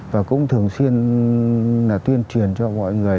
tôi cũng thường xuyên tuyên truyền cho mọi người